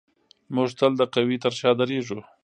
موږ تل د قوي تر شا درېږو.